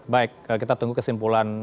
baik kita tunggu kesimpulan